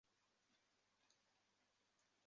富格瑞先生带着一瓶威士忌过来看望柯南。